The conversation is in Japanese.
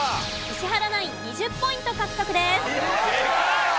石原ナイン２０ポイント獲得です。